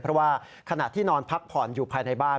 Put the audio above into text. เพราะว่าขณะที่นอนพักผ่อนอยู่ภายในบ้าน